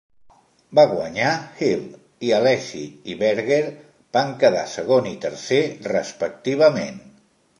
Va guanyar Hill i Alesi i Berger van quedar segon i tercer, respectivament.